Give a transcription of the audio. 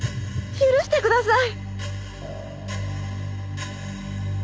許してください。